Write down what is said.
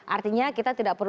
artinya kita tidak perlu